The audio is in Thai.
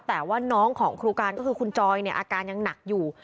แต่ว่าน้องของครูการก็คือคุณจอยเนี่ยอาการยังหนักอยู่